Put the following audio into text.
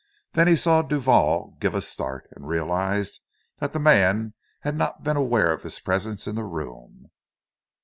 Then he saw Duval give a start, and realized that the man had not been aware of his presence in the room.